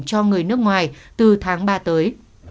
cho người nước ngoài từ tháng ba tới